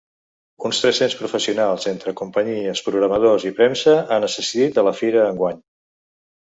Uns tres-cents professionals, entre companyies, programadors i premsa, han assistit a la fira enguany.